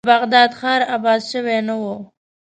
د بغداد ښار آباد شوی نه و.